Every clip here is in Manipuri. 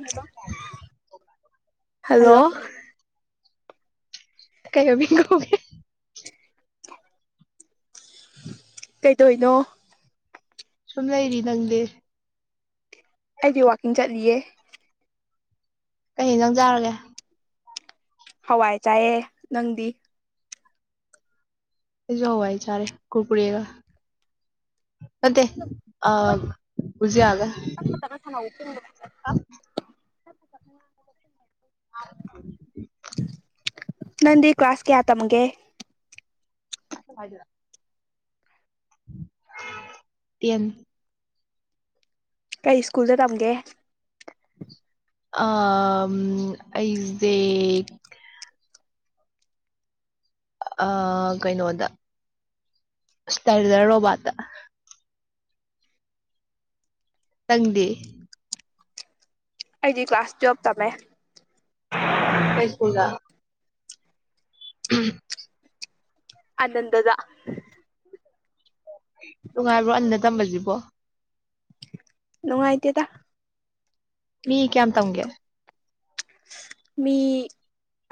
[inaudible] ꯍꯜꯂꯣ ꯀꯩꯅꯣꯕꯤ ꯀꯩꯒꯦ ꯀꯩꯗꯅꯣ ꯁꯨꯝ ꯂꯩꯏꯔꯤ ꯅꯪꯗꯦ ꯑꯩꯗꯤ ꯋꯥꯀꯤꯡ ꯆꯠꯂꯤꯌꯦ ꯀꯩ ꯅꯧꯖꯥꯔꯒꯦ ꯍꯋꯥꯏ ꯆꯥꯏꯌꯦ ꯅꯪꯗꯤ ꯁꯨꯎ ꯏ ꯆꯔꯦ ꯀꯨꯀꯔꯤꯒ ꯃꯗꯦ ꯑ ꯎꯕꯨꯁꯤꯌꯥꯑꯒ ꯆ ꯆꯥꯅ ꯁꯥꯟꯅꯕ ꯐꯦꯡꯕ ꯆ ꯐ ꯑ ꯅꯗꯤ ꯀ꯭ꯂꯥꯁ ꯀꯌꯥ ꯇꯝꯦ [inaudible] ꯇꯦꯝ ꯀꯔꯤ ꯁ꯭ꯀꯨꯜꯗ ꯇꯝꯒꯦ ꯑ ꯑꯩꯁ ꯗ ꯑ ꯀꯩꯅꯣꯗ ꯁꯇꯔꯗ ꯔꯣꯕꯥꯠꯇ ꯇꯪꯗꯦ ꯑꯩꯗꯤ ꯀ꯭ꯂꯥꯁ ꯇꯨꯋꯦꯜꯞ ꯇꯝꯃꯦ ꯀꯩ ꯁ꯭ꯀꯨꯜꯗ [inaudible] ꯑꯟꯗꯥꯗꯥ ꯅꯨꯡꯉꯥꯏꯕ꯭ꯔꯣ ꯑꯟꯅ ꯇꯝꯁꯤꯕꯣ ꯅꯨꯡꯉꯥꯏꯇꯦꯗ ꯃꯤ ꯀꯌꯥꯝ ꯇꯝꯒꯦ ꯃꯤ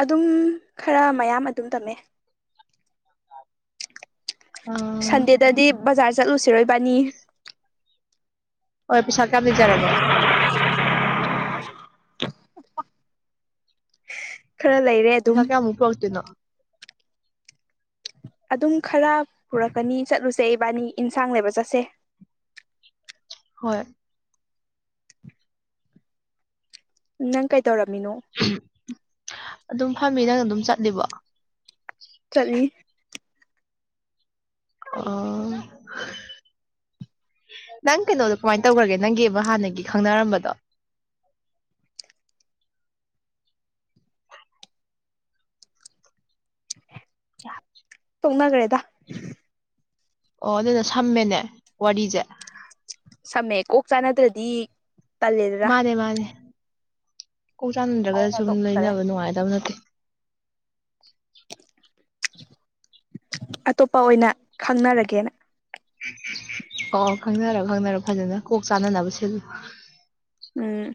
ꯑꯗꯨꯝ ꯈꯔ ꯃꯌꯥꯝ ꯑꯗꯨꯝ ꯇꯝꯃꯦ ꯑ ꯁꯟꯗꯦꯗꯗꯤ ꯕꯖꯥꯔ ꯆꯠꯂꯨꯁꯤꯔꯣꯏꯕꯥꯅꯤ ꯑꯣ ꯄꯁꯦ ꯑꯅꯤ ꯆꯔꯥꯒꯦ ꯈꯔ ꯂꯩꯔꯦ ꯄꯩꯁꯥ ꯑꯗꯨꯝ ꯀꯌꯥꯃꯛꯇꯅꯣ ꯑꯗꯨꯝ ꯈꯔ ꯄꯨꯔꯛꯀꯅꯤ ꯆꯠꯂꯨꯁꯦ ꯏꯕꯥꯅꯤ ꯌꯦꯟꯁꯥꯡꯅꯦꯕ ꯆꯠꯁꯦ [inaudible] ꯍꯣꯏ ꯅꯪ ꯀꯩꯗꯧꯔꯝꯃꯤꯅꯣ ꯑꯗꯨꯝ ꯐꯝꯃꯤ ꯅꯪ ꯑꯗꯨꯝ ꯆꯠꯂꯤꯕ ꯆꯠꯂꯤ ꯑꯣ [inaudible] ꯅꯪ ꯀꯩꯅꯣꯗꯣ ꯀꯃꯥꯏꯅ ꯇꯧꯈ꯭ꯔꯒꯦ ꯅꯪꯒꯤꯕ ꯍꯥꯟꯅꯒꯤ ꯈꯪꯅꯔꯝꯕꯗꯣ [inaudible] [inaudible] ꯇꯣꯛꯅꯈ꯭ꯔꯦꯗ ꯑꯣ ꯑꯗꯨꯅ ꯁꯝꯃꯦꯅꯦ ꯋꯥꯔꯤꯁꯦ ꯁꯝꯃꯦ ꯀꯣꯛ ꯆꯥꯅꯗ꯭ꯔꯗꯤ ꯃꯥꯅꯦ ꯃꯥꯅꯦ ꯀꯣꯛ ꯆꯥꯟꯅꯗ꯭ꯔꯒ ꯑꯗꯨꯅ ꯁꯨꯝ ꯇꯣꯛꯈꯔꯦ ꯂꯩꯅꯕ ꯅꯨꯡꯉꯥꯏꯇꯕ ꯅꯠꯇꯦ ꯑꯇꯣꯞꯄ ꯑꯣꯏꯅ ꯈꯪꯅꯔꯒꯦꯅ ꯑꯣ ꯈꯪꯅꯔꯣ ꯈꯪꯅꯔꯣ ꯐꯖꯅ ꯀꯣꯛ ꯆꯥꯅꯅꯕꯁꯨ ꯑꯗꯨꯝ ꯎꯝ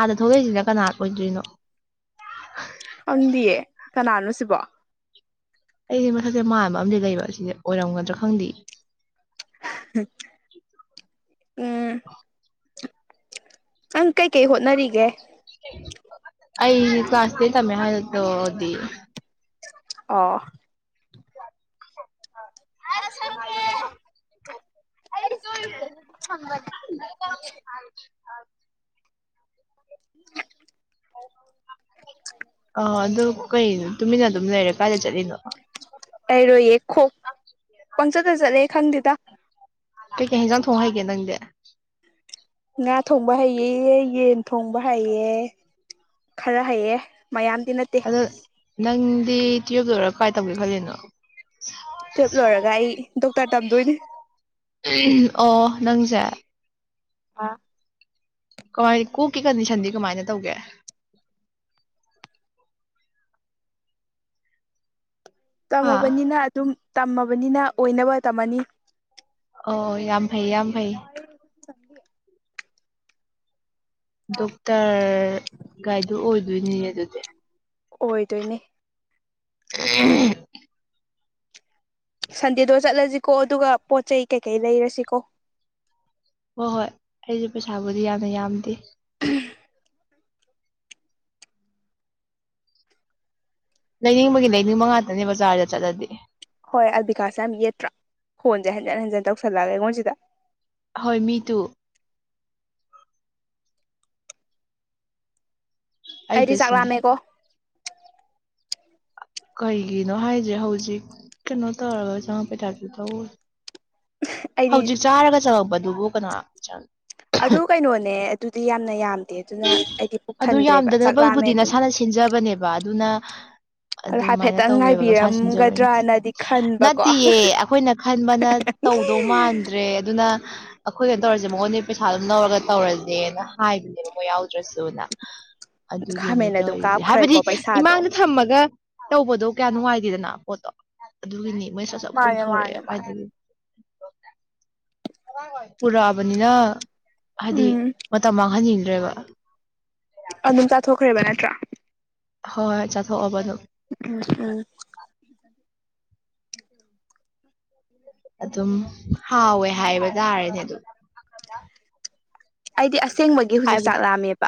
ꯑꯥꯗ ꯊꯣꯛꯂꯛꯏꯁꯤꯅ ꯀꯅꯥ ꯑꯣꯏꯗꯣꯏꯅꯣ ꯈꯪꯗꯤꯌꯦ ꯀꯅꯥꯅꯣ ꯁꯤꯕꯣ ꯑꯩꯁꯦ ꯃꯁꯛꯁꯦ ꯃꯥꯟꯕ ꯑꯃꯗꯤ ꯂꯩꯕ ꯁꯤꯁꯦ ꯑꯣꯏꯔꯝꯒꯗ꯭ꯔꯥ ꯈꯪꯗꯦ ꯎꯝ ꯅꯪ ꯀꯩꯀꯩ ꯍꯣꯠꯅꯔꯤꯒꯦ ꯑꯩ ꯀ꯭ꯂꯥꯁꯇꯩ ꯇꯃꯦ ꯍꯜꯛꯇꯗꯤ ꯑꯣ ꯑꯁ ꯀ ꯑꯩ [inaudible] ꯑ ꯑꯗꯨ ꯀꯩꯅꯣ ꯇꯨꯃꯤꯟꯅ ꯑꯗꯨꯝ ꯂꯩꯔꯦ ꯀꯥꯏꯗ ꯆꯠꯂꯤꯅꯣ ꯂꯩꯔꯣꯏꯌꯦ ꯈꯣꯛ ꯄꯪꯆꯠꯇ ꯆꯠꯂꯦ ꯈꯪꯗꯦꯗ ꯀꯩ ꯀꯩ ꯍꯤꯡꯖꯥꯡ ꯊꯣꯡꯍꯒꯦ ꯅꯪꯗꯤ ꯉꯥ ꯊꯣꯡꯕ ꯍꯩꯑ ꯌꯦꯟ ꯊꯣꯡꯕ ꯍꯩꯑ ꯈꯔ ꯍꯩꯑ ꯑꯗꯣ ꯅꯪꯗꯤ ꯇꯨꯋꯜꯞꯇ ꯑꯣꯏꯔꯒ ꯀꯥꯏ ꯇꯧꯒꯦ ꯈꯜꯂꯤꯅꯣ ꯇꯨꯋꯞ ꯂꯣꯏꯔꯒ ꯑꯩ ꯗꯣꯛꯇꯔ ꯇꯝꯗꯣꯏꯅꯦ ꯅꯪꯖ ꯑꯥ ꯀꯃꯥꯏ ꯀꯣꯛꯀꯤ ꯀꯟꯗꯤꯁꯟꯗꯤ ꯀꯃꯥꯏꯅ ꯇꯧꯒꯦ ꯍꯥ ꯇꯝꯃꯕꯅꯤꯅ ꯑꯗꯨꯝ ꯇꯝꯃꯕꯅꯤꯅ ꯑꯣꯏꯅꯕ ꯇꯝꯃꯅꯤ ꯑꯣ ꯌꯥꯝ ꯐꯩ ꯌꯥꯝ ꯐꯩ ꯗꯣꯛꯇꯔ ꯒꯥꯏꯗꯨ ꯑꯣꯏꯗꯣꯏꯅꯤꯅꯦ ꯑꯗꯨꯗꯤ ꯑꯣꯏꯗꯣꯏꯅꯦ ꯑ ꯁꯟꯗꯦꯗ ꯆꯠꯂꯁꯤꯀꯣ ꯑꯗꯨꯒ ꯄꯣꯠ ꯆꯩ ꯀꯩꯀꯩ ꯂꯩꯔꯁꯤꯀꯣ ꯍꯣꯏ ꯍꯣꯏ ꯑꯩꯁꯨꯦ ꯄꯩꯁꯥꯕꯨꯗꯤ ꯌꯥꯝꯅ ꯌꯥꯝꯗꯦ ꯎ ꯂꯩꯅꯤꯡꯕꯒꯤ ꯂꯩꯅꯤꯡꯕ ꯉꯥꯛꯇꯅꯦ ꯕꯖꯥꯔꯗ ꯆꯠꯂꯗꯤ ꯍꯣꯏ ꯑꯜꯕꯤꯀꯥꯁ ꯌꯥꯝ ꯌꯦꯠꯇ꯭ꯔꯥ ꯐꯣꯟꯁꯦ ꯍꯟꯖꯤꯟ ꯍꯟꯖꯤꯟ ꯇꯧꯁꯜꯂꯑꯒ ꯑꯩꯉꯣꯟꯁꯤꯗ ꯍꯣꯏ ꯃꯤ ꯇꯣ ꯑꯩꯗꯤ ꯑꯩꯗꯁꯨꯅꯦ ꯆꯥꯛꯂꯥꯑꯝꯃꯦꯀꯣ ꯀꯩꯒꯤꯅꯣ ꯍꯥꯏꯁꯦ ꯍꯧꯖꯤꯛ ꯀꯩꯅꯣ ꯇꯧꯔꯒ ꯆꯥꯉꯄꯩꯊꯥꯞꯇ ꯇꯧ ꯑꯩꯗꯤ ꯍꯧꯖꯤꯛ ꯆꯥꯔꯒ ꯆꯉꯛꯄꯗꯨꯕꯨ ꯀꯅꯥꯣ ꯆꯪ ꯑꯗꯨ ꯀꯩꯅꯣꯅꯦ ꯑꯗꯨꯗꯤ ꯌꯥꯝꯅ ꯌꯥꯝꯗꯦ ꯑꯗꯨꯅ ꯑꯩꯗꯤ ꯄꯨꯛ ꯊꯟꯗ꯭ꯔꯦꯕ ꯆꯥꯛꯂꯥꯑꯝꯃꯦ ꯑꯗꯨꯅ ꯈꯦꯟꯖꯕꯅꯦꯕ ꯑꯗꯨꯅ ꯑꯗꯨ ꯑꯗꯨꯃꯥꯏꯅ ꯍꯥꯏꯐꯦꯠꯇꯪ ꯇꯧꯋꯦꯕ ꯃꯁꯥ ꯁꯤꯟꯖꯕꯅꯤ ꯉꯥꯏꯕꯤꯔꯝꯒꯗ꯭ꯔꯅꯗꯤ ꯈꯟꯕꯀꯣ ꯅꯠꯇꯦꯌꯦ ꯑꯩꯈꯣꯏꯅ ꯈꯟꯕꯅ ꯇꯧꯗꯧ ꯃꯥꯜ ꯈꯟꯗ꯭ꯔꯦ ꯑꯗꯨꯅ ꯑꯩꯈꯣꯏꯅ ꯇꯧꯔꯁꯦ ꯃꯉꯣꯟꯗ ꯄꯩꯁꯥ ꯑꯗꯨꯝ ꯂꯧꯔꯒ ꯇꯧꯔꯁꯦꯅ ꯍꯥꯏꯕꯅꯦꯕ ꯃꯣꯏ ꯌꯥꯎꯗ ꯭ꯔꯁꯨꯅ ꯑꯗꯨꯒꯤꯅꯤ ꯈꯥꯃꯦꯟ ꯑꯗꯨꯝ ꯇꯧꯔꯤꯁꯦ ꯍꯥꯏꯕꯗꯤ ꯀꯥꯞꯈ꯭ꯔꯦꯀꯣ ꯄꯩꯁꯥꯗꯣ ꯏꯃꯥꯗ ꯊꯝꯃꯒ ꯇꯧꯕꯗꯣ ꯀꯌꯥ ꯅꯨꯡꯉꯥꯏꯇꯦꯗꯅ ꯄꯣꯠꯇꯣ ꯑꯗꯨꯒꯤꯅꯤ ꯃꯣꯏ ꯁꯠꯆꯞ ꯃꯥꯅꯦ ꯇꯧꯊꯣꯔꯛꯑꯦ ꯃꯥꯅꯦ ꯃꯥꯅꯦ ꯀꯥꯏꯗꯒꯤ ꯄꯨꯔꯑꯕꯅꯤꯅ ꯍꯥꯏꯗꯤ ꯎꯝ ꯃꯇꯝ ꯃꯥꯡꯍꯟꯅꯤꯡꯗ꯭ꯔꯦꯕ꯫ ꯑꯗꯨꯝ ꯆꯥꯊꯣꯛꯈ꯭ꯔꯦꯕ ꯅꯠꯇ꯭ꯔꯥ꯫ ꯍꯣꯏ ꯍ ꯆꯠꯊꯣꯛꯑꯣ ꯟꯣ ꯎꯝ ꯎꯝ ꯑꯗꯨꯝ ꯍꯥꯎꯋꯦ ꯍꯥꯏꯕ ꯇꯥꯔꯦꯅꯦ ꯑꯗꯨ꯫ ꯑꯩꯗꯤ ꯑꯁꯦꯡꯕꯒꯤ ꯍꯧꯖꯤꯛ ꯆꯥꯛ ꯂꯥꯛꯑꯝꯃꯦꯕ꯫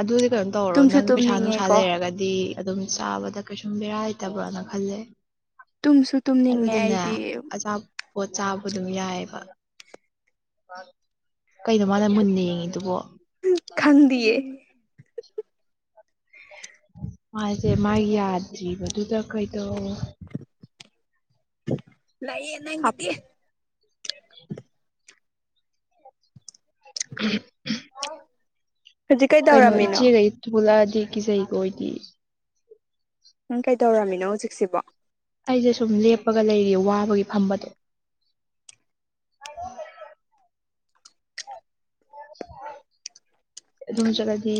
ꯑꯗꯨꯗꯤ ꯀꯩꯅꯣꯝ ꯇꯧꯔꯣ ꯇꯨꯝꯁꯨ ꯅꯪ ꯄꯩꯁꯥ ꯅꯨꯡꯁꯥ ꯇꯨꯝꯅꯤꯡꯉꯦꯀꯣ ꯂꯩꯔꯒꯗꯤ ꯑꯗꯨꯝ ꯆꯥꯕꯗ ꯀꯩꯁꯨꯝ ꯕꯦꯔꯥꯏꯇꯕ꯭ꯔꯅ ꯈꯜꯂꯦ꯫ ꯇꯨꯝꯁꯨ ꯇꯨꯝꯅꯤꯡꯉꯦ ꯍꯥꯏꯕꯗꯤꯅꯦ ꯑꯩꯗꯤ ꯑꯆꯥꯄꯣꯠ ꯆꯥꯕ ꯑꯗꯨꯝ ꯌꯥꯏꯑꯕ꯫ ꯀꯩꯅꯣ ꯃꯥꯅ ꯃꯨꯟꯅ ꯌꯦꯡꯉꯤꯗꯨꯕꯣ꯫ ꯈꯥꯟꯗꯤꯌꯦ ꯃꯥꯁꯦ ꯃꯥꯒꯤ ꯌꯥꯗ꯭ꯔꯤꯕꯗꯨꯗ ꯀꯩꯗꯧ ꯂꯥꯏ ꯅ ꯍꯥꯄꯤ ꯍꯧꯖꯤꯛ ꯀꯩꯅꯣ ꯀꯩꯗꯧꯔꯝꯃꯤꯅꯣ ꯏꯆꯦꯒ ꯊꯨꯂ ꯀꯤ ꯆꯍꯤꯀꯣ ꯑꯣꯏꯗꯤ꯫ ꯅꯪ ꯀꯩꯗꯧꯔꯝꯃꯤꯅꯣ ꯍꯧꯖꯤꯛꯁꯤꯕꯣ꯫ ꯑꯩꯁꯦ ꯁꯨꯝ ꯂꯦꯞꯄꯒ ꯂꯩꯔꯤ ꯋꯥꯕꯒꯤ ꯐꯝꯕꯗꯣ꯫ ꯑꯗꯨꯝ ꯆꯒꯥꯗꯤ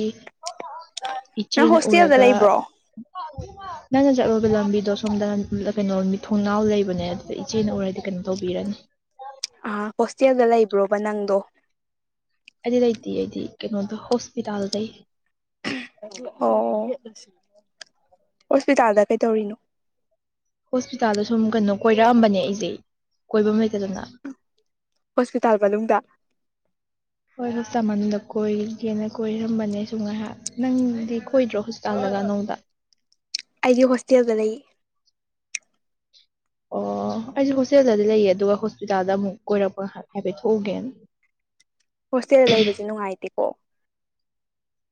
ꯅꯪ ꯏꯆꯦꯅ ꯍꯣꯁꯇꯦꯜꯗ ꯎꯔꯒ ꯂꯩꯕ꯭ꯔꯣ ꯅꯪꯅ ꯆꯠꯂꯣꯏꯕ ꯂꯝꯕꯤꯗꯣ ꯁꯣꯝꯗ ꯀꯩꯅꯣ ꯃꯤ ꯊꯣꯡꯅꯥꯎ ꯂꯩꯕꯅꯦ ꯑꯗꯨꯗ ꯏꯆꯦꯅ ꯑꯣꯏꯔꯗꯤ ꯀꯩꯅꯣ ꯇꯧꯕꯤꯔ ꯑ ꯍꯣꯁꯇꯦꯜꯗ ꯂꯩꯕ꯭ꯔꯣꯕ ꯅꯪꯗꯣ꯫ ꯑꯩꯗꯤ ꯂꯩꯇꯦ ꯑꯩꯗꯤ ꯀꯩꯅꯣꯗ ꯍꯣꯁꯄꯤꯇꯥꯜꯗ ꯑꯣ ꯍꯣꯁꯄꯤꯇꯥꯜꯗ ꯀꯩꯗꯧꯔꯤꯅꯣ꯫ ꯍꯣꯁꯄꯤꯇꯥꯜꯗ ꯁꯨꯝ ꯀꯩꯅꯣ ꯀꯣꯏꯔꯛꯑꯝꯕꯅꯦ ꯑꯩꯁꯦ ꯀꯣꯏꯕ ꯍꯣꯁꯄꯤꯇꯥꯜ ꯃꯅꯨꯡꯗ ꯑꯣꯏ ꯍ ꯇ ꯃꯟꯗ ꯀꯣꯏꯒꯦꯅ ꯀꯣꯏꯔꯝꯕꯅꯦ ꯁ ꯉꯥꯏꯍꯥꯛ ꯅꯪꯗꯤ ꯀꯣꯏꯗ꯭ꯔꯣ ꯍꯣꯁꯄꯤꯇꯥꯜꯗꯒ ꯅꯧꯗ꯫ ꯑꯩꯗꯤ ꯍꯣꯁꯇꯦꯜꯗ ꯂꯩꯌꯦ ꯑꯣ ꯑꯩꯁꯦ ꯍꯣꯁꯇꯦꯜꯗꯗꯤ ꯂꯩꯌꯦ ꯑꯗꯨꯒ ꯍꯣꯁꯄꯤꯇꯥꯜꯗ ꯑꯃꯨꯛ ꯀꯣꯏꯔꯛꯄ ꯍꯥꯏꯐꯦꯠ ꯊꯣꯛꯎꯒꯦꯅ꯫ ꯍꯣꯁꯇꯦꯜ ꯂꯩꯕꯁꯦ ꯅꯨꯡꯉꯥꯏꯇꯦꯀꯣ꯫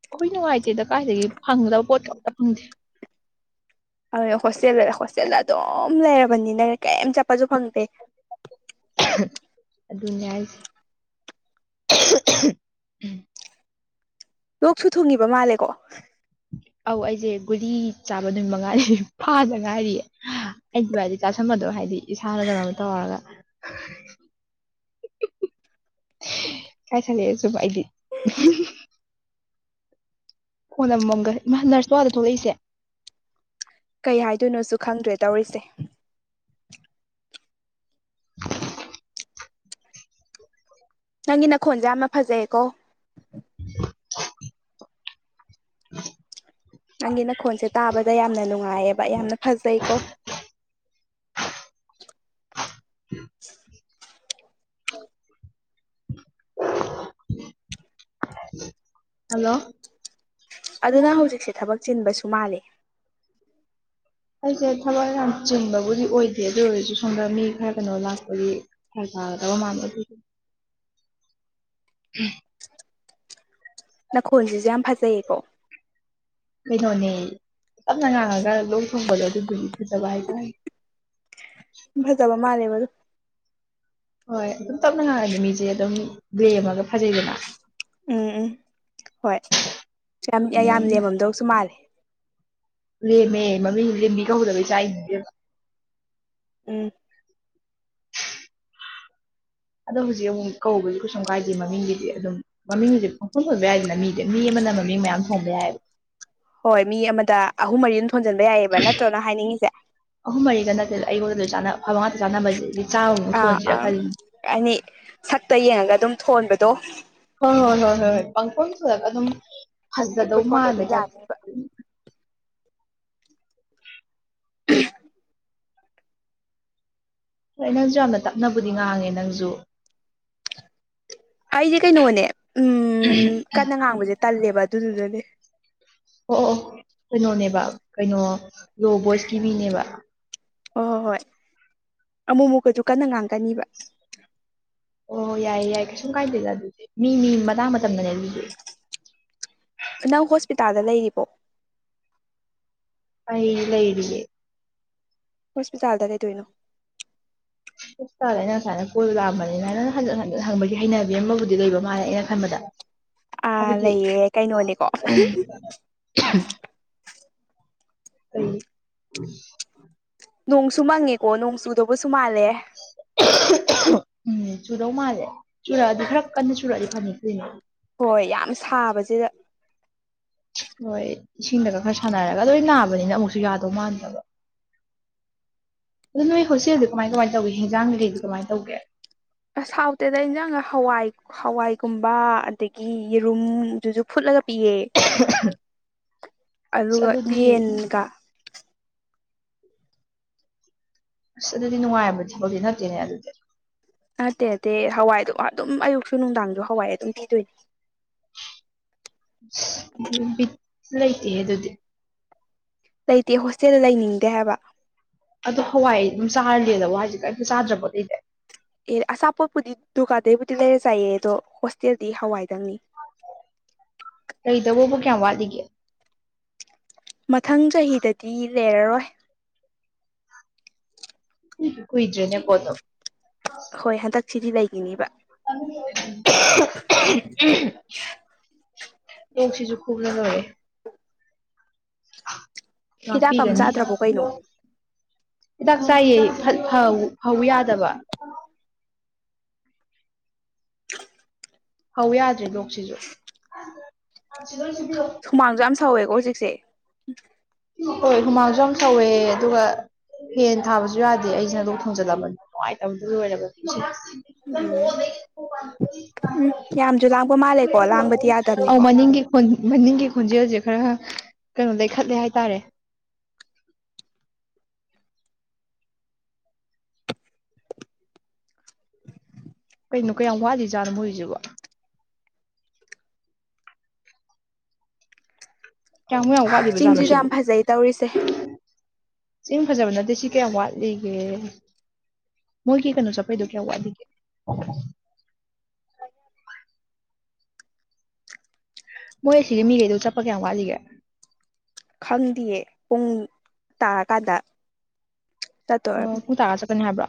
ꯑꯩꯈꯣꯏ ꯅꯨꯡꯉꯥꯏꯇꯦꯗ ꯀꯥꯏꯗꯒꯤ ꯐꯪꯒꯗꯕ ꯄꯣꯠ ꯑꯝꯇ ꯐꯪꯗꯦ꯫ ꯑꯗꯨ ꯍꯣꯁꯇꯦꯜꯗ ꯍꯣꯁꯇꯦꯜꯗ ꯑꯗꯨꯝ ꯂꯩꯔꯕꯅꯤ ꯅꯪꯅ ꯀꯔꯤꯝ ꯆꯠꯄꯁꯨ ꯐꯪꯗꯦ꯫ ꯑꯗꯨꯅꯦ ꯍꯥꯏꯁꯦ ꯂꯣꯛꯁꯨ ꯊꯨꯡꯉꯤꯕ ꯃꯥꯜꯂꯦꯀꯣ꯫ ꯑꯧ ꯑꯩꯁꯦ ꯒꯨꯔꯤ ꯆꯥꯕ ꯑꯗꯨ ꯃꯉꯥꯏꯔꯤ ꯐꯥꯗ ꯉꯥꯏꯔꯤꯌꯦ ꯑꯩꯒꯤ ꯍꯥꯏꯗꯤ ꯇꯥꯁꯟꯕꯗꯣ ꯍꯥꯏꯗꯤ ꯏꯁꯥꯅ ꯀꯩꯅꯣꯝ ꯇꯧꯔꯒ ꯀꯥꯏ ꯆꯂꯁꯨꯕꯥꯥꯏꯗꯤ ꯍꯣꯟꯝꯃꯝꯒ ꯏꯃ ꯅꯔꯁꯇꯋꯥꯗ ꯊꯣꯛꯂꯛꯏꯁꯦ ꯀꯩ ꯍꯥꯏꯗꯣꯏꯅꯣꯁꯨ ꯈꯪꯗ꯭ꯔꯦ ꯇꯧꯔꯤꯁꯦ꯫ ꯅꯪꯒꯤ ꯅꯈꯣꯟꯁꯦ ꯌꯥꯝꯅ ꯐꯖꯩꯌꯦꯀꯣ꯫ [inaudible] ꯅꯪꯒꯤ ꯅꯈꯣꯟꯁꯦ ꯇꯥꯕꯗ ꯌꯥꯝꯅ ꯅꯨꯡꯉꯥꯏꯌꯦꯕ ꯌꯥꯝꯅ ꯐꯖꯩꯀꯣ [inaudible] [inaudible] ꯍ ꯍꯜꯂꯣ ꯑꯗꯨꯅ ꯍꯧꯖꯤꯛꯁꯦ ꯊꯕꯛ ꯆꯤꯟꯕꯁꯨ ꯃꯥꯜꯂꯤ ꯑꯩꯁꯦ ꯊꯕꯛ ꯌꯥꯝ ꯆꯤꯡꯕꯕꯨꯗꯤ ꯑꯣꯏꯗꯦ ꯑꯗꯨ ꯑꯣꯏꯔꯁꯨ ꯁꯣꯝꯗ ꯃꯤ ꯈꯔ ꯀꯩꯅꯣ ꯂꯥꯛꯄꯗꯤ ꯇꯣ ꯃꯥꯅ [inaudible] ꯎ ꯅꯈꯣꯟꯜꯁꯤꯁꯨ ꯌꯥꯝ ꯐꯖꯩꯌꯦꯀꯣ ꯀꯩꯅꯣꯅꯦ ꯇꯞꯅ ꯉꯥꯡꯉꯒ ꯂꯣꯛ ꯊꯣꯡꯕꯗꯣ ꯑꯗꯨꯕꯨꯗꯤ ꯐꯖꯕ ꯍꯥꯏꯇꯥꯔꯦ ꯐꯖꯕ ꯃꯥꯅꯦꯦꯕꯗꯨ ꯍꯣꯏ ꯑꯗꯨꯝ ꯇꯞꯅ ꯉꯥꯡꯉꯅꯤ ꯃꯤꯁꯦ ꯑꯗꯨꯝ ꯕꯦ ꯑꯃꯒ ꯐꯖꯩꯗꯅ ꯎꯝ ꯎꯝ ꯍꯣꯏ ꯌꯥꯝ ꯌꯥꯝ ꯎꯝ ꯂꯦꯝꯃꯝꯗꯧꯁꯨ ꯃꯥꯜꯂꯦ ꯂꯦꯝꯃꯦ ꯃꯃꯤꯡ ꯂꯦꯝꯃꯤ ꯀꯧꯗꯕꯩ ꯆ ꯏꯅꯤꯡꯗꯦꯕ ꯎꯝ ꯑꯗꯣ ꯍꯧꯖꯤꯛ ꯑꯃꯨꯛ ꯀꯧꯕꯁꯨ ꯀꯩꯁꯨ ꯀꯥꯏꯗꯦ ꯃꯃꯤꯡꯒꯤꯗꯤ ꯑꯗꯨꯝ ꯃꯃꯤꯡ ꯍꯧꯖꯤꯛ ꯄꯪꯐꯝ ꯑꯣꯏꯕ ꯌꯥꯏꯗꯅ ꯃꯤꯗꯤ ꯃꯤ ꯑꯃ ꯈꯅꯕ ꯃꯤ ꯃꯌꯥꯝ ꯐꯝꯃꯦꯦ ꯍꯥꯏ ꯍꯣꯏ ꯃꯤ ꯑꯃꯗ ꯑꯍꯨꯝ ꯃꯔꯤ ꯊꯣꯟꯖꯟꯕ ꯌꯥꯏꯑꯕ ꯅꯠꯇ꯭ꯔꯣꯅ ꯍꯥꯏꯅꯤꯡꯉꯤꯁꯦ ꯑꯍꯨꯝ ꯃꯔꯤꯒ ꯅꯠꯇꯦꯗ ꯑꯩꯉꯣꯟꯗ ꯂꯣꯏ ꯆꯥꯅ ꯑꯐꯕ ꯉꯥꯛꯇ ꯆꯥꯅꯕꯁꯤꯗꯤ ꯆꯥꯝꯃꯃꯨꯛ ꯑꯥ ꯊꯣꯟꯁꯤꯔ ꯑꯥ ꯈꯜꯂꯤ ꯑꯅꯤ ꯁꯛꯇ ꯌꯦꯡꯉꯒ ꯑꯗꯨꯝ ꯊꯣꯟꯕꯗꯣ ꯍꯣꯏ ꯍꯣꯏ ꯍꯣꯏ ꯍꯣꯏ ꯍꯣꯏ ꯄꯪ ꯀꯣꯟꯁꯨ ꯂ ꯑꯗꯨꯝ ꯑꯗꯨꯒꯤ ꯐꯖꯅꯗꯧ ꯈꯨꯊꯣꯟꯗꯣ ꯃꯥꯥꯟꯃꯦ ꯑꯗꯨꯝ ꯆꯥꯛ ꯌꯥꯅꯤꯕ [inaudible] ꯍꯣꯏ ꯅꯪꯁꯨ ꯌꯥꯝꯅ ꯇꯞꯅꯕꯨꯗꯤ ꯉꯥꯡꯉꯦ ꯅꯪꯁꯨ ꯑꯩꯁꯦ ꯀꯩꯅꯣꯅꯦ ꯎꯝ ꯀꯟꯅ ꯉꯥꯡꯕꯁꯦ ꯇꯜꯂꯦꯕ ꯑꯗꯨꯗꯨꯗꯅꯦ ꯑꯣ ꯑꯣ ꯀꯩꯅꯣꯅꯦꯕ ꯀꯩꯅꯣ ꯂꯣ ꯚꯣꯏꯁꯀꯤ ꯃꯤꯅꯦꯕ ꯍ ꯍꯣꯏ ꯍꯣꯏ ꯑꯃꯨꯛ ꯑꯃꯨꯛꯀꯁꯨ ꯀꯟꯅ ꯉꯥꯡꯒꯅꯤꯕ ꯑꯣ ꯌꯥꯏꯌꯦ ꯌꯥꯏꯌꯦ ꯀꯩꯁꯨꯝ ꯀꯥꯏꯗꯦꯗ ꯑꯗꯨꯗꯤ ꯃꯤ ꯃꯤ ꯃꯇꯥꯡ ꯃꯇꯝꯗꯅꯦ ꯂꯗ ꯅꯪ ꯍꯣꯁꯄꯤꯇꯥꯜꯗ ꯂꯩꯔꯤꯕꯣ ꯑꯩ ꯂꯩꯔꯤꯌꯦ ꯍꯣꯁꯄꯤꯇꯥꯜꯗ ꯔꯦ ꯇꯣꯏꯅꯣ ꯇꯥꯗ ꯑꯩꯅ ꯁꯨꯃꯥꯏꯅ ꯀꯣꯜ ꯂꯥꯛꯑꯝꯕꯅꯤꯅ ꯅꯪ ꯍꯟꯖꯤ ꯍꯟꯖꯤꯟ ꯍꯪꯕꯒꯤ ꯍꯩꯅꯕꯤ ꯑꯃ ꯑꯃꯕꯨꯗꯤ ꯂꯩꯕ ꯃꯥꯜꯂꯦ ꯑꯩꯅ ꯈꯟꯕꯗ ꯑꯥ ꯍꯥꯏꯕꯗꯤ ꯂꯩꯌꯦ ꯀꯩꯅꯣꯅꯦꯀꯣ ꯑ ꯎ ꯅꯣꯡꯁꯨ ꯃꯪꯉꯦꯀꯣ ꯅꯣꯡ ꯆꯨꯗꯧꯕꯁꯨ ꯃꯥꯜꯂꯦ ꯎꯝ ꯆꯨꯔꯧ ꯃꯥꯜꯂꯦ ꯆꯨꯔꯛꯑꯗꯤ ꯈꯔ ꯀꯟꯅ ꯆꯨꯔꯛꯑꯗꯤ ꯐꯪꯉ ꯀꯨꯏꯅꯦ ꯍꯣꯏ ꯌꯥꯝ ꯁꯥꯕꯁꯤꯗ ꯍꯣꯏ ꯏꯁꯤꯡꯗꯒ ꯈꯔ ꯁꯥꯟꯅꯔꯒ ꯂꯣꯏ ꯅꯥꯕꯅꯤꯅ ꯑꯃꯨꯛꯁꯨ ꯌꯥꯗꯧ ꯃꯥꯟꯗꯕ ꯑꯗꯨ ꯅꯣꯏ ꯍꯣꯁꯦꯜꯗꯤ ꯀꯃꯥꯏ ꯀꯃꯥꯏꯅ ꯇꯧꯒꯦ ꯍꯤꯟꯖꯥꯡ ꯀꯀꯩꯗꯤ ꯀꯃꯥꯏꯅ ꯇꯧꯒꯦ ꯁꯥꯎꯠꯇꯦꯗ ꯑꯩꯅꯪ ꯍꯋꯥꯏ ꯍꯋꯥꯏꯒꯨꯝꯕ ꯑꯗꯒꯤ ꯌꯦꯔꯨꯝꯗꯨꯁꯨ ꯐꯨꯠꯂ ꯒ ꯄꯤꯑꯦ [inaudible] ꯑꯁ ꯑꯗꯨꯒ ꯑꯗꯨꯗꯤ ꯌꯦꯟꯒ ꯑꯁ ꯑꯗꯨꯗꯤ ꯅꯨꯡꯉꯥꯏꯕꯗꯤ ꯊꯕꯛꯇꯗꯤꯤ ꯅꯠꯇꯦꯅꯦ ꯑꯗꯨꯗꯤ ꯅꯠꯇꯦ ꯅꯠꯇꯦ ꯍꯋꯥꯏꯗꯣ ꯑꯗꯨꯝ ꯑꯌꯨꯛꯁꯨ ꯅꯨꯡꯗꯥꯡꯁꯨ ꯍꯋꯥꯏ ꯑꯗꯨꯝ ꯄꯤꯗꯣꯏꯅꯦ ꯕꯤꯠ ꯂꯩꯇꯦ ꯑꯗꯨꯗꯤ ꯂꯩꯇꯦ ꯍꯣꯁꯇꯦꯜ ꯂꯩꯅꯤꯡꯗꯦ ꯍꯥꯏꯕ ꯑꯗꯣ ꯍꯋꯥꯏ ꯑꯗꯨꯝ ꯆꯥꯔꯂꯗ ꯍꯏꯁꯦ ꯀꯔꯤꯝꯇ ꯆꯥꯗ꯭ꯔꯕꯣꯠꯩꯗꯤ ꯑꯦ ꯑꯆꯥꯄꯣꯠꯄꯨꯗꯤ ꯗꯨꯀꯥꯟꯗꯩꯕꯨꯗꯤ ꯂꯩꯔ ꯆꯥꯏꯌꯦ ꯑꯗꯣ ꯍꯣꯁꯇꯦꯜꯗꯤ ꯍꯋꯥꯏꯗꯪꯅꯤ ꯀꯩꯗꯧꯕꯣꯕꯨ ꯀꯌꯥ ꯋꯥꯗꯒꯦ ꯃꯊꯪ ꯆꯍꯤꯗꯗꯤ ꯂꯩꯔꯔꯣꯏ ꯀꯨꯏꯗ꯭ꯔꯦꯅꯦ ꯀꯗꯞ ꯍꯣꯏ ꯍꯟꯗꯛꯁꯤꯗꯤ ꯂꯩꯈꯤꯅꯦꯕ [unintelligible] ꯅꯨꯡꯁꯤꯁꯨ ꯀꯨꯞꯖꯅꯔꯦ ꯍꯤꯗꯥꯛꯀ ꯑꯃ ꯃꯄꯤꯒꯅꯤ ꯆꯥꯗ꯭ꯔꯕꯣ ꯀꯩꯅꯣ ꯍꯤꯗꯥꯛ ꯆꯥꯏꯌꯦ ꯐꯧ ꯌꯥꯗꯕ ꯍꯧ ꯌꯥꯗ꯭ꯔꯦ ꯂꯣꯛꯁꯤꯁꯨ ꯁꯨꯃꯥꯡꯁꯨ ꯌꯥꯝ ꯁꯧꯋꯦꯀꯣ ꯍꯧꯖꯤꯛꯁꯦ ꯍꯣꯏ ꯍꯨꯃꯥꯡꯁꯨ ꯌꯥꯝ ꯁꯧꯋꯦ ꯑꯗꯨꯒ ꯍꯦꯟ ꯊꯥꯕꯁꯨ ꯌꯥꯗꯦ ꯑꯩ ꯁꯟꯗꯣꯛ ꯊꯣꯡꯖꯤꯜꯂꯝꯕꯅꯤ ꯅꯨꯡꯉꯥꯏꯇꯕꯗꯨ ꯂꯣꯏꯔꯕ ꯍꯗ ꯎꯝ ꯎꯝ ꯌꯥꯝꯁꯨ ꯂꯥꯡꯕ ꯃꯥꯜꯂꯦꯀꯣ ꯂꯥꯡꯕꯗꯤ ꯑ ꯌꯥꯗꯕꯅꯤꯀꯣ ꯃꯅꯤꯡꯒꯤꯣꯟ ꯃꯅꯤꯡꯒꯤ ꯈꯣꯟꯟꯖ ꯍꯧꯖꯤꯦ ꯈꯔ ꯀꯩꯅꯣꯗꯒꯤꯈꯠꯂꯦ ꯍꯥꯏꯇꯥꯔꯦ ꯀꯩꯅꯣ ꯀ ꯌꯥꯝ ꯋꯥꯠꯂꯤꯖꯥꯠꯔ ꯃꯣꯏꯔꯤꯁꯤꯕ ꯀꯌꯥꯝꯃꯨꯛꯌꯥꯝ ꯋꯥꯠꯂꯤꯕ ꯖꯥꯠꯅꯣ ꯆꯤꯡꯁꯤꯁꯨ ꯁꯤꯕꯨ ꯌꯥꯝ ꯐꯖꯩ ꯇꯧꯔꯤꯁꯦ ꯁꯤ ꯐꯖꯕ ꯅꯠꯇꯦ ꯁꯤ ꯀꯌꯥ ꯋꯥꯠꯂꯤꯒꯦ ꯃꯣꯏ ꯀ ꯀꯩꯅꯣ ꯁꯄꯩꯗꯨꯣ ꯀꯌꯥ ꯋꯥꯂꯤꯒꯦ ꯑꯩ ꯃꯣꯏ ꯑꯁꯤꯒꯤꯗꯤ ꯃꯤꯈꯩꯗ ꯆꯠꯄ ꯀꯌꯥꯝ ꯋꯥꯠꯂꯤꯒꯦ ꯈꯪꯗꯌꯦ ꯄꯨꯡ ꯇꯥꯔꯀꯥꯟꯗ ꯆꯠꯇꯣꯏꯔ ꯑꯣ ꯄꯨꯡ ꯇꯥꯔꯒ ꯆꯠꯀꯅꯤ ꯍꯥꯏꯕ꯭ꯔꯣ